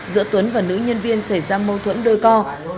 giữa tuấn và nữ nhân viên xảy ra mâu thuẫn đôi co